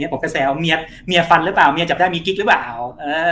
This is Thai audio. กระแสว่าเมียฟันหรือเปล่าเมียจับได้มีกิ๊กหรือเปล่า